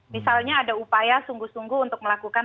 misalnya ada upaya sungguh sungguh untuk melakukan